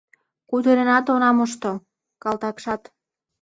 Кутыренат она мошто, калтакшат.